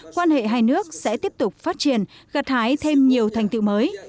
quan hệ hai nước sẽ tiếp tục phát triển gặt hái thêm nhiều thành tựu mới